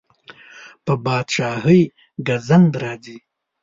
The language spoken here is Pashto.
په پادشاهۍ ګزند راځي.